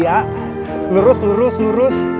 ya lurus lurus lurus